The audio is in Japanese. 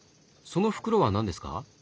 その袋は何ですか？